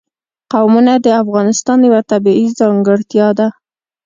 قومونه د افغانستان یوه طبیعي ځانګړتیا ده.